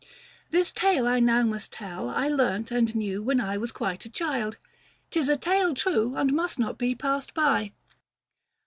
The tale I now must tell I learnt and knew 490 When I was quite a child ; 'tis a tale true, And must not be passed by.